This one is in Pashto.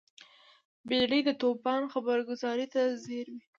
بیړۍ د توپان خبرګذارۍ ته ځیر وي.